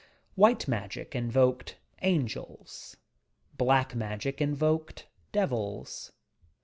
White Magic invoked "angels"; Black Magic invoked "devils."